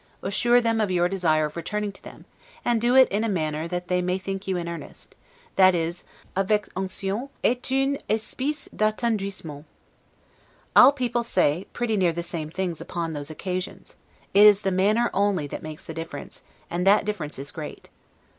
Assure them of your desire of returning to them; and do it in a manner that they may think you in earnest, that is 'avec onction et une espece d'attendrissement'. All people say, pretty near the same things upon those occasions; it is the manner only that makes the difference; and that difference is great.